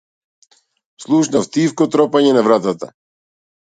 Слушнав тивко тропање на вратата.